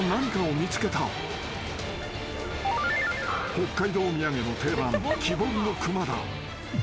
［北海道土産の定番木彫りの熊だ］